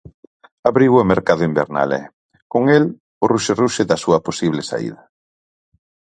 Abriu o mercado invernal e, con el, o ruxerruxe da súa posible saída.